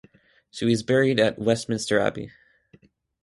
She was buried at Westminster Abbey.